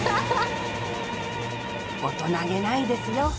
大人気ないですよ